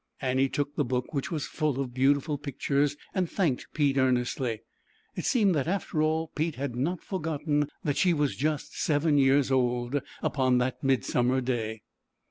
Annie took the book, which was full of beautiful pictures, and thanked Pete earnestly. It seemed that after all Pete had not forgotten that she was just seven years old upon that midsummer day.